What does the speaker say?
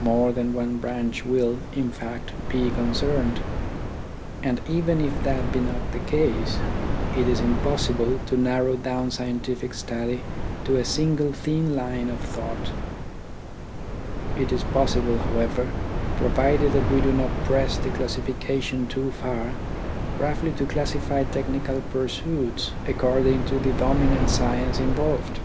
More than one branch will, in fact, be concerned ; and even if that be not the case, it is impossible to narrow down scientific study to a single thin line of thought. It is possible, however, provided that we do not press the classification too far, roughly to classify technical pursuits according to the dominant science in volved.